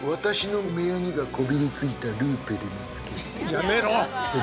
やめろ！